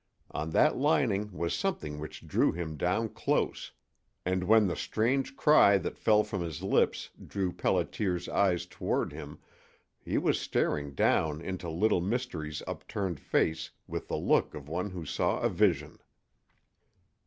On that lining was something which drew him down close, and when the strange cry that fell from his lips drew Pelliter's eyes toward him he was staring down into Little Mystery's upturned face with the look of one who saw a vision.